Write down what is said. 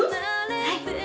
はい。